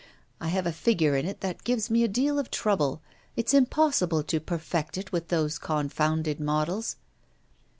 I have a figure in it that gives me a deal of trouble. It's impossible to perfect it with those confounded models.